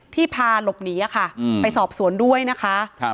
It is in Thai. ที่พาหลบหนีไปสอบสวนด้วยนะคะ